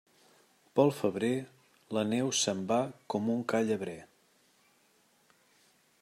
Pel febrer, la neu se'n va com un ca llebrer.